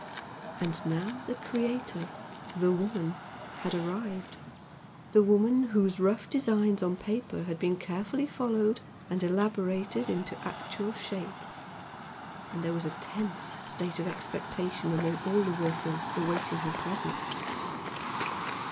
And now the creator, the woman had arrived, the woman whose rough designs on paper had been carefully followed and elaborated into actual shape; and there was a tense state of expectation among all the workers awaiting her presence.